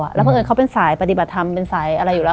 แล้วเพราะเอิญเขาเป็นสายปฏิบัติธรรมเป็นสายอะไรอยู่แล้ว